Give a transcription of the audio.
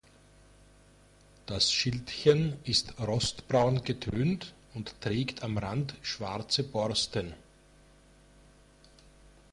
Das Schildchen ist rostbraun getönt und trägt am Rand schwarze Borsten.